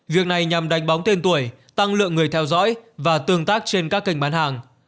việc này nhằm đánh bóng tên tuổi tăng lượng người theo dõi và tương tác trên các kênh bán hàng